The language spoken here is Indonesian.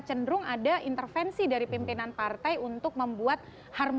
cenderung ada intervensi dari pimpinan partai untuk membuat harmoni